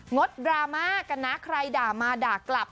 ดดราม่ากันนะใครด่ามาด่ากลับ